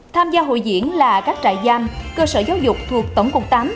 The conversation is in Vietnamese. tham gia hội diễn là các trại giam cơ sở giáo dục thuộc tổng cục tám